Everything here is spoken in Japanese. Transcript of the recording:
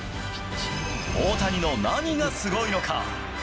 大谷の何がすごいのか。